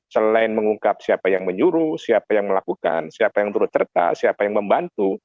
selain mengungkap siapa yang menyuruh siapa yang melakukan siapa yang turut serta siapa yang membantu